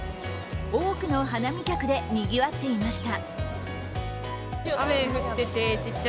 多くの花見客でにぎわっていました。